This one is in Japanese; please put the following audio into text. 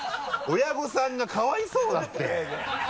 親御さんがかわいそうだって。